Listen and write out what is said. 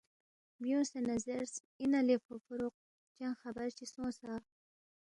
بیُونگسے نہ زیرس، اِنا لے فوفوروق چنگ خبر چی سونگسا؟